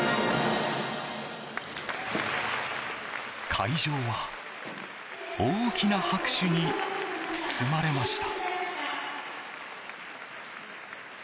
会場は大きな拍手に包まれました。